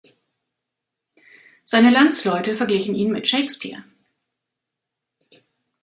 Seine Landsleute verglichen ihn mit Shakespeare.